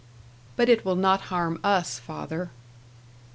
"But it will not harm us, father."